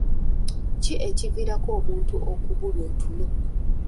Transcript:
Ki ekiviirako omuntu okubulwa otulo?